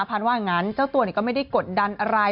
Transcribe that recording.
พันธุ์ว่างั้นเจ้าตัวนี่ก็ไม่ได้กดดันอะไร